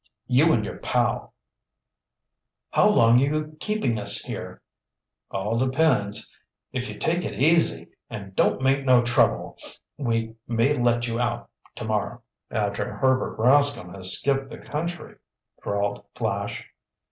You and your pal." "How long are you keeping us here?" "All depends. If you take it easy and don't make no trouble, we may let you out tomorrow." "After Herbert Rascomb has skipped the country," drawled Flash.